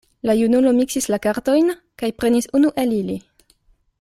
La junulo miksis la kartojn kaj prenis unu el ili.